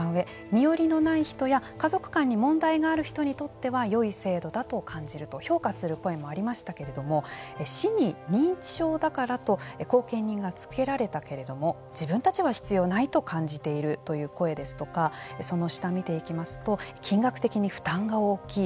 身寄りのない人や家族間に問題がある人にとってはよい制度だと感じると評価する声もありましたけれども市に認知症だからと後見人がつけられたけれども自分たちは必要ないと感じているという声ですとかその下、見ていきますと金額的に負担が大きい。